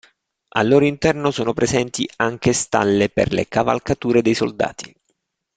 Al loro interno sono presenti anche stalle per le cavalcature dei soldati.